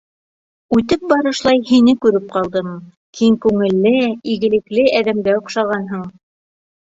Үтеп барышлай, һине күреп ҡалдым: киң күңелле, игелекле әҙәмгә оҡшағанһың.